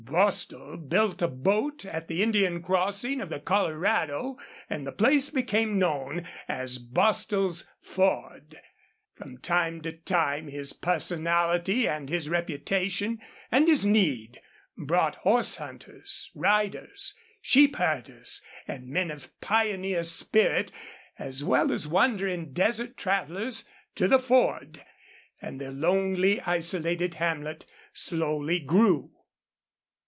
Bostil built a boat at the Indian crossing of the Colorado and the place became known as Bostil's Ford. From time to time his personality and his reputation and his need brought horse hunters, riders, sheep herders, and men of pioneer spirit, as well as wandering desert travelers, to the Ford, and the lonely, isolated hamlet slowly grew.